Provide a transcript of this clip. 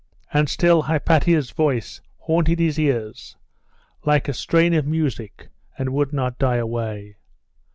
And still Hypatia's voice haunted his ears, like a strain of music, and would not die away.